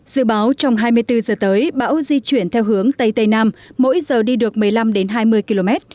dự báo trong hai mươi bốn giờ tới bão di chuyển theo hướng tây tây nam mỗi giờ đi được một mươi năm hai mươi km